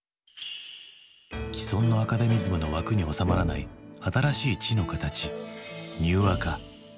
既存のアカデミズムの枠に収まらない新しい知の形「ニューアカ」。